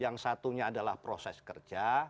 yang satunya proses kerja